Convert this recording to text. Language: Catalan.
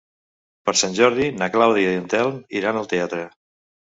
Per Sant Jordi na Clàudia i en Telm iran al teatre.